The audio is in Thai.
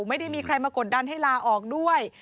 ไม่ได้มีใครมากดดันให้ลาออกด้วย